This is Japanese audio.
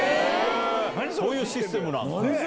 そういうシステムなんだ。